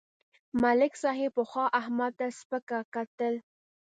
ملک صاحب پخوا احمد ته سپکه کتل.